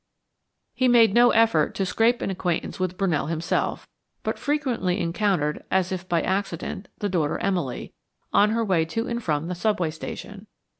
He made no effort to scrape an acquaintance with Brunell himself, but frequently encountered, as if by accident, the daughter Emily, on her way to and from the subway station.